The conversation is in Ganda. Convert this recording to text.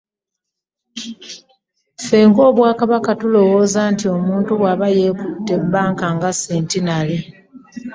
“Ffe ng'Obwakabaka, tulowooza nti omuntu bw'aba yeekutte bbanka nga Centenary"